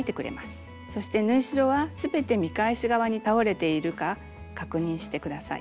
そして縫い代は全て見返し側に倒れているか確認して下さい。